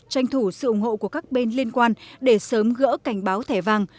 tranh thủ sự ủng hộ của các bên liên quan để sớm gỡ cảnh báo thẻ vàng